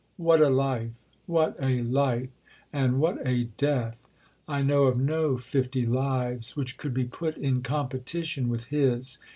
What a life! what a life! and what a death! I know of no fifty lives which could be put in competition with his.